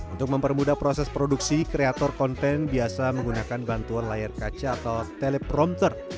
untuk mempermudah proses produksi kreator konten biasa menggunakan bantuan layar kaca atau teleprompter